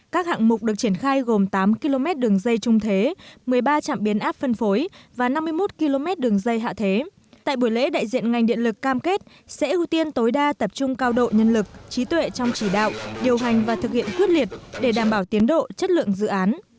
các hạng mục được triển khai gồm tám km đường dây trung thế một mươi ba trạm biến áp phân phối và năm mươi một km đường dây hạ thế tại buổi lễ đại diện ngành điện lực cam kết sẽ ưu tiên tối đa tập trung cao độ nhân lực trí tuệ trong chỉ đạo điều hành và thực hiện quyết liệt để đảm bảo tiến độ chất lượng dự án